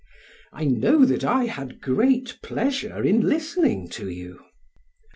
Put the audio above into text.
PHAEDRUS: I know that I had great pleasure in listening to you.